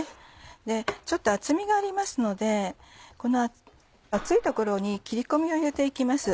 でちょっと厚みがありますのでこの厚い所に切り込みを入れて行きます。